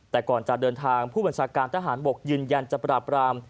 แต่ก่อนจะเดินทางผู้บัญชาการทหารบกยืนยันจะปราบราม